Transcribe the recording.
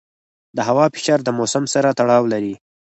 د هوا فشار د موسم سره تړاو لري.